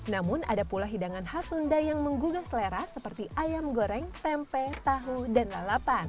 namun ada pula hidangan khas sunda yang menggugah selera seperti ayam goreng tempe tahu dan lalapan